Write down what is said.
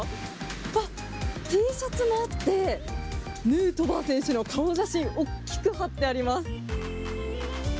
あっ、Ｔシャツもあって、ヌートバー選手の顔写真、おっきく貼ってあります。